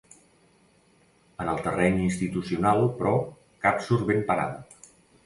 En el terreny institucional, però, cap surt ben parada.